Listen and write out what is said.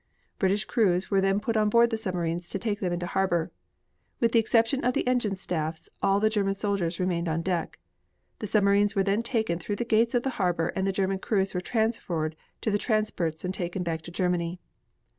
British crews were then put on board the submarines to take them into harbor. With the exception of the engine staffs all the German sailors remained on deck. The submarines were then taken through the gates of the harbor and the German crews were transferred to the transports and taken back to Germany.